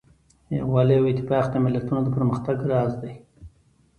یووالی او اتفاق د ملتونو د پرمختګ راز دی.